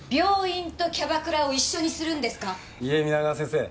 いえ皆川先生